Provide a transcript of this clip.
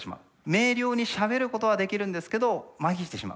明瞭にしゃべることはできるんですけど麻痺してしまう。